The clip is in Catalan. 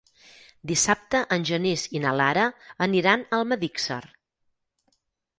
Dissabte en Genís i na Lara aniran a Almedíxer.